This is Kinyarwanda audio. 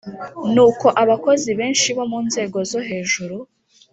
ni uko abakozi benshi bo nzego zo hejuru